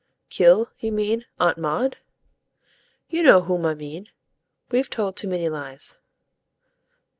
"Kill, you mean, Aunt Maud?" "You know whom I mean. We've told too many lies."